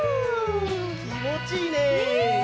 きもちいいね！ね！